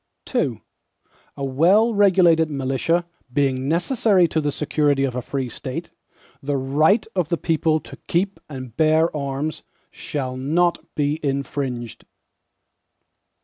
II A well regulated militia, being necessary to the security of a free State, the right of the people to keep and bear arms, shall not be infringed.